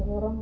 boleh kan bu